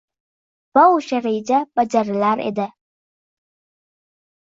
va o‘sha reja bajarilar edi.